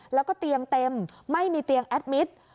แล้วก็เตียงเต็มไม่มีเตียงแอดมิตร